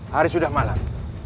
hari sudah malam